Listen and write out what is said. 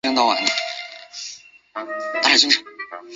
养心殿造办处是内务府的下属机构之一。